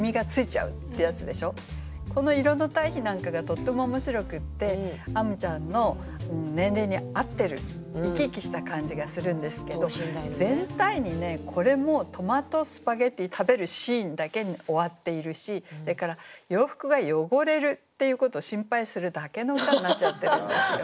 この色の対比なんかがとっても面白くってあむちゃんの年齢に合ってる生き生きした感じがするんですけど全体にねこれもトマトスパゲッティ食べるシーンだけに終わっているしそれから洋服が汚れるっていうことを心配するだけの歌になっちゃってるんですよ。